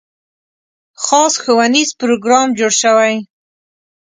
خاص ښوونیز پروګرام جوړ شوی.